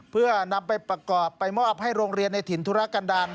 เพื่อนำไปประกอบไปมอบให้โรงเรียนในถิ่นธุระกันดัง